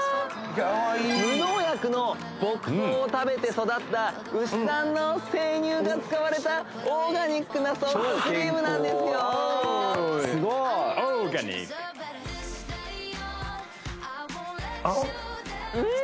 無農薬の牧草を食べて育った牛さんの生乳が使われたオーガニックなソフトクリームなんですよオーオーガニック！